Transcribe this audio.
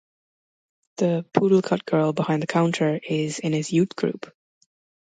The poodle-cut girl behind the counter is in his Youth Group.